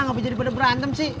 gapapa jadi berantem sih